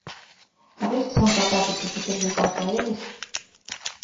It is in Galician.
A ver se son capaces de facerlles caso a eles.